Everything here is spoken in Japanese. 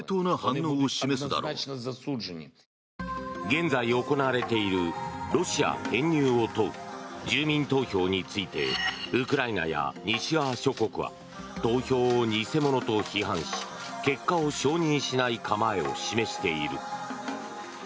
現在、行われているロシア編入を問う住民投票についてウクライナや西側諸国は投票を、偽物と批判し結果を承認しない構えを示している。